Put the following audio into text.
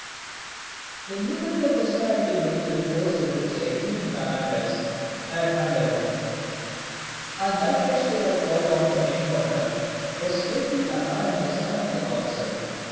The numerical disparity between the force which the Athenian commanders had under them, and that which they were called on to encounter, was fearfully apparent to some of the council.